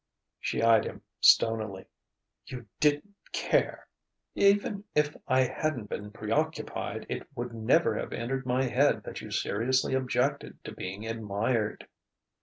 She eyed him stonily. "You didn't care !" "Even if I hadn't been preoccupied, it would never have entered my head that you seriously objected to being admired."